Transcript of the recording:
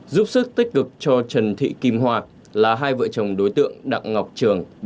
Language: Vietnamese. giúp sức tích cực cho trần thị kim hoa là hai vợ chồng đối tượng đặng ngọc trường